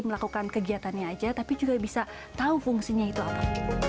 melakukan kegiatannya aja tapi juga bisa tahu fungsinya itu apa